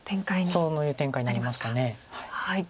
そういう展開になりました。